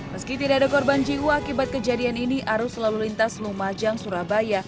meski tidak ada korban jiwa akibat kejadian ini arus lalu lintas lumajang surabaya